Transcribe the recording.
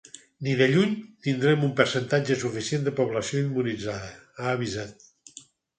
I ni de lluny tindrem un percentatge suficient de població immunitzada, ha avisat.